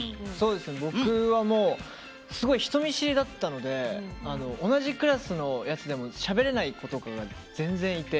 僕はすごい人見知りだったので同じクラスのやつでもしゃべれない子とかが全然いて。